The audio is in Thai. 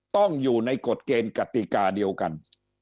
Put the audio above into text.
ต้องอยู่ในกฎเกณฑ์กติกาเดียวกัน